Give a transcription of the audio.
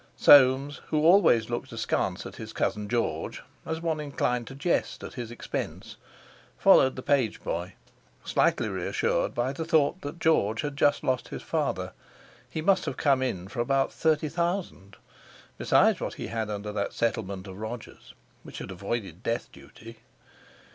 Soames, who always looked askance at his cousin George, as one inclined to jest at his expense, followed the pageboy, slightly reassured by the thought that George had just lost his father. He must have come in for about thirty thousand, besides what he had under that settlement of Roger's, which had avoided death duty.